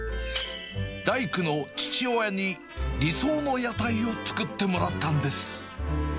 大工の父親に理想の屋台を作ってもらったんです。